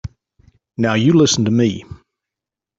Now you listen to me.